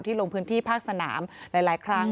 ลงพื้นที่ภาคสนามหลายครั้ง